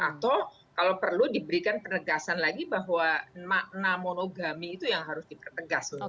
atau kalau perlu diberikan penegasan lagi bahwa makna monogami itu yang harus dipertegas